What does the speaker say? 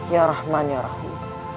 ya rahman ya rahim